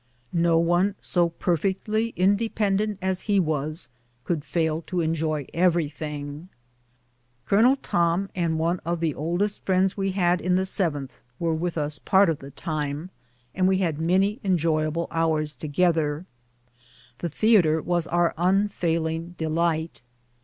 No one so perfectly independent as he was could fail to enjoy everything. Colonel Tom and one of the oldest friends we had in the 7th were with us part of the time, and w^e had many enjoyable hours together. The theatre was our unfailing delight.